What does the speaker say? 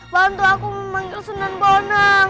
bantu aku memanggil sunan bonang